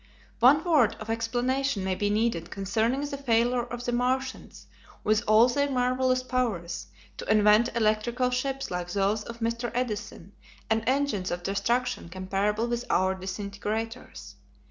One word of explanation may be needed concerning the failure of the Martians, with all their marvellous powers, to invent electrical ships like those of Mr. Edison and engines of destruction comparable with our disintegrators.